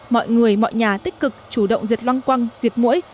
mọi người mọi nhà tích cực chủ động diệt loang quăng diệt mũi